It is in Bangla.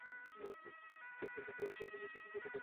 কীট পতঙ্গ আসিয়া দীপের উপর পড়িতেছে।